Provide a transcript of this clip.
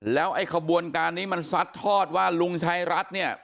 แล้วไอ้ขบวนการนี้มันซัดทอดว่าลุงชายรัฐเนี่ย